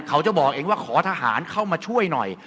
เขาจะบอกเองว่าขอทหารเข้ามาช่วยหน่อย